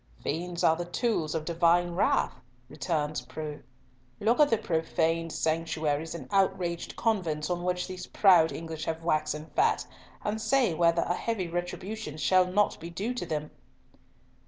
"Fiends are the tools of Divine wrath," returned Preaux. "Look at the profaned sanctuaries and outraged convents on which these proud English have waxen fat, and say whether a heavy retribution be not due to them."